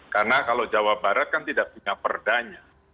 karena kalau jawa barat kan tidak punya perdanya